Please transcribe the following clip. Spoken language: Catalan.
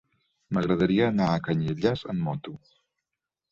M'agradaria anar a Canyelles amb moto.